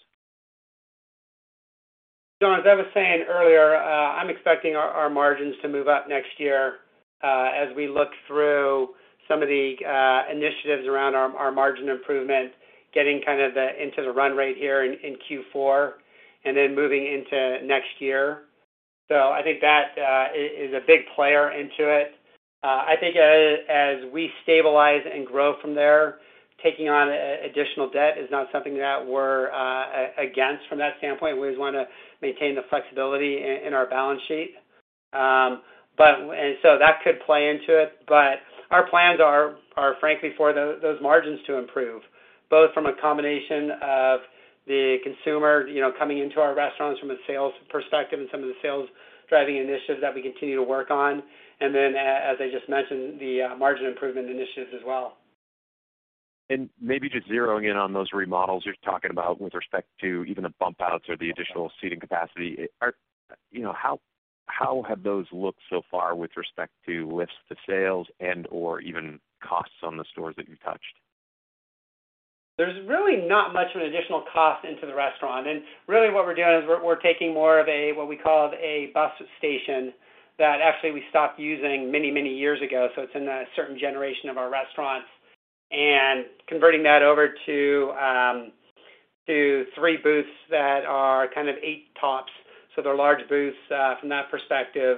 Jon, as I was saying earlier, I'm expecting our margins to move up next year, as we look through some of the initiatives around our margin improvement, getting kind of into the run rate here in Q4, and then moving into next year. I think that is a big player into it. I think as we stabilize and grow from there, taking on additional debt is not something that we're against from that standpoint. We just wanna maintain the flexibility in our balance sheet. That could play into it. Our plans are frankly for those margins to improve, both from a combination of the consumer, you know, coming into our restaurants from a sales perspective and some of the sales-driving initiatives that we continue to work on. As I just mentioned, the margin improvement initiatives as well. Maybe just zeroing in on those remodels you're talking about with respect to even the bump outs or the additional seating capacity. You know, how have those looked so far with respect to lifts to sales and/or even costs on the stores that you touched? There's really not much of an additional cost into the restaurant. Really what we're doing is we're taking more of a what we call a bus station that actually we stopped using many, many years ago, so it's in a certain generation of our restaurants, and converting that over to three booths that are kind of eight tops. They're large booths from that perspective.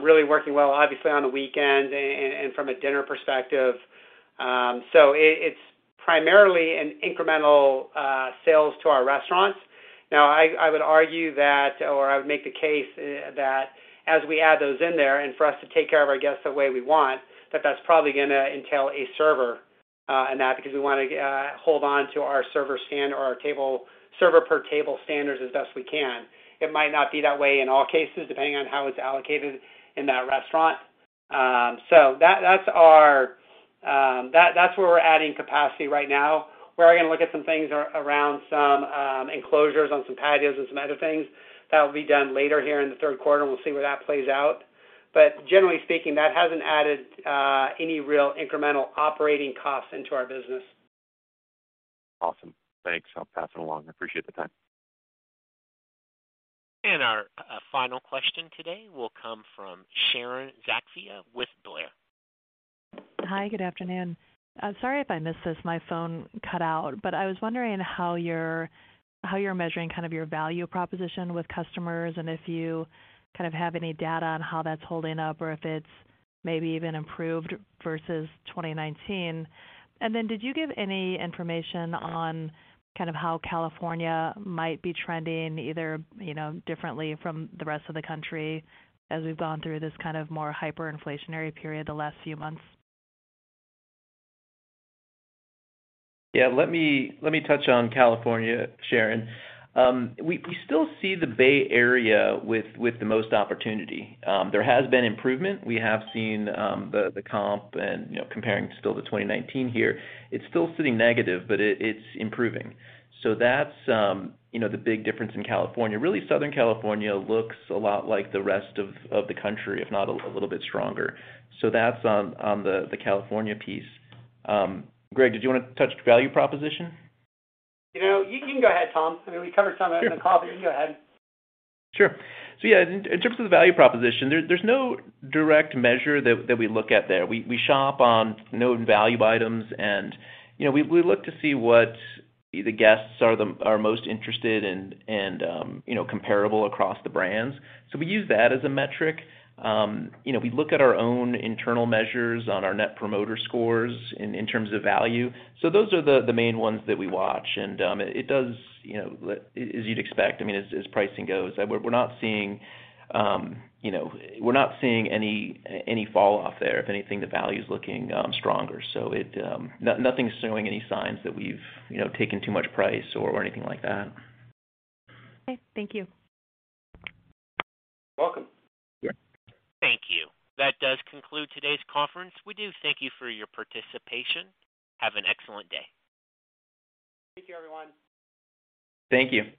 Really working well, obviously on the weekend and from a dinner perspective. It's primarily an incremental sales to our restaurants. I would argue that or I would make the case that as we add those in there and for us to take care of our guests the way we want, that that's probably gonna entail a server in that because we wanna hold on to our server stand or our server per table standards as best we can. It might not be that way in all cases, depending on how it's allocated in that restaurant. That's where we're adding capacity right now. We're gonna look at some things around some enclosures on some patios and some other things. That will be done later here in the third quarter. We'll see where that plays out. Generally speaking, that hasn't added any real incremental operating costs into our business. Awesome. Thanks. I'll pass it along. I appreciate the time. Our final question today will come from Sharon Zackfia with Blair. Hi, good afternoon. I'm sorry if I missed this, my phone cut out, but I was wondering how you're measuring kind of your value proposition with customers, and if you kind of have any data on how that's holding up or if it's maybe even improved versus 2019. Did you give any information on kind of how California might be trending either, you know, differently from the rest of the country as we've gone through this kind of more hyperinflationary period the last few months? Yeah. Let me touch on California, Sharon. We still see the Bay Area with the most opportunity. There has been improvement. We have seen the comps, you know, comparing still to 2019 here. It's still sitting negative, but it's improving. That's, you know, the big difference in California. Really, Southern California looks a lot like the rest of the country, if not a little bit stronger. That's on the California piece. Greg, did you want to touch value proposition? You know, you can go ahead, Tom. I mean, we covered some of it in the call, but you can go ahead. Sure. Yeah, in terms of the value proposition, there's no direct measure that we look at there. We shop on known value items and, you know, we look to see what the guests are most interested and, you know, comparable across the brands. We use that as a metric. You know, we look at our own internal measures on our Net Promoter Scores in terms of value. Those are the main ones that we watch. It does, you know, as you'd expect, I mean, as pricing goes, we're not seeing, you know, we're not seeing any falloff there. If anything, the value is looking stronger. Nothing's showing any signs that we've, you know, taken too much price or anything like that. Okay. Thank you. You're welcome. Yeah. Thank you. That does conclude today's conference. We do thank you for your participation. Have an excellent day. Thank you, everyone. Thank you.